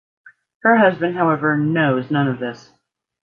Her husband, however, knows none of this.